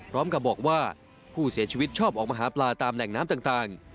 พร้อมกับบอกว่าผู้เสียชีวิตชอบออกมาหาปลาตามแหล่งน้ำต่าง